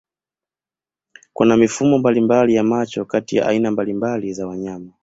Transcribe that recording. Kuna mifumo mbalimbali ya macho kati ya aina mbalimbali za wanyama.